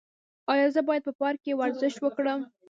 ایا زه باید په پارک کې ورزش وکړم؟